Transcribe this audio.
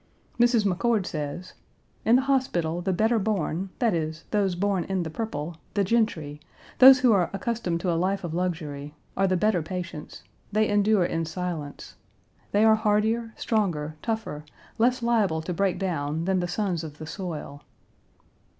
Mrs. McCord says, "In the hospital the better born, that is, those born in the purple, the gentry, those who are accustomed to a life of luxury, are the better patients. They endure in silence. They are hardier, stronger, tougher, less liable to break down than the sons of the soil."